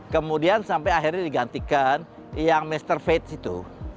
kemudian sampai akhirnya digantikan yang mr faids itu